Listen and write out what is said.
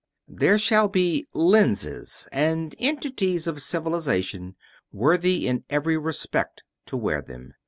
There shall be Lenses ... and entities of Civilization worthy in every respect to wear them.